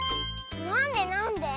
なんでなんで？